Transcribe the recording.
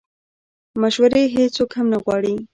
مشورې هیڅوک هم نه غواړي